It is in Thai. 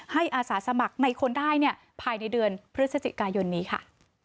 อาสาสมัครในคนได้ภายในเดือนพฤศจิกายนนี้ค่ะ